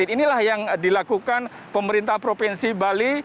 inilah yang dilakukan pemerintah provinsi bali